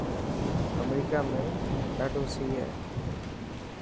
امريڪا ۾ڏاڌو سي هي.